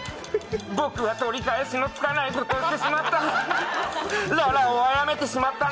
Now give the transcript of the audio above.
僕は取り返しのつかないことをやってしまった。